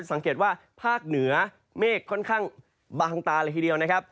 สังเกตว่าภาคเหนือเมฆค่อนข้างบางตาเลยทีเดียวนะครับ